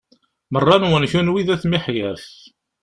Meṛṛa-nwen kunwi d at miḥyaf.